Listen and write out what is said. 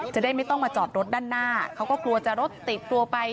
จะได้ไม่ต้องมาจอดรถด้านหน้าเขาก็กลัวจะรถติดตัวไป